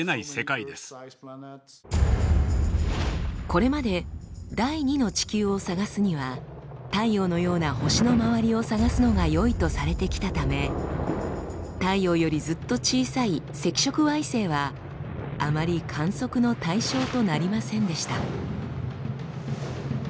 これまで第２の地球を探すには太陽のような星の周りを探すのがよいとされてきたため太陽よりずっと小さい赤色矮星はあまり観測の対象となりませんでした。